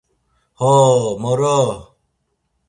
Hooo… Morooo!